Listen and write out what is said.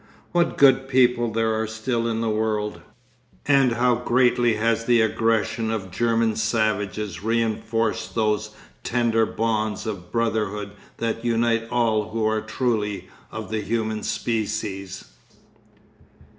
What good people there are still in the world! And how greatly has the aggression of German savages reinforced those tender bonds of brotherhood that unite all who are truly of the human species.